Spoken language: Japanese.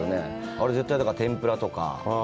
あれ、絶対、だから天ぷらとか。